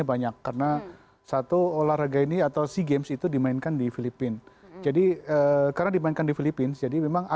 pada kejuaraan dua tahunan ini indonesia mengikuti enam puluh dua ada pedangcorona syntheser